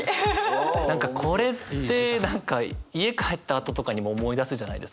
何かこれって何か家帰ったあととかにも思い出すじゃないですか。